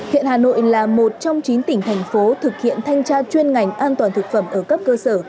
hiện hà nội là một trong chín tỉnh thành phố thực hiện thanh tra chuyên ngành an toàn thực phẩm ở cấp cơ sở